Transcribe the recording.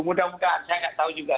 mudah mudahan saya nggak tahu juga